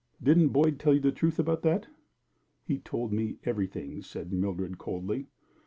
"Didn't Boyd tell you the truth about that?" "He told me everything," said Mildred, coldly.